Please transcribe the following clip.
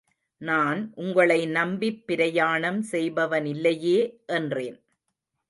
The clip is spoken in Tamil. நான் உங்களை நம்பிப் பிரயாணம் செய்பவனில்லையே என்றேன்.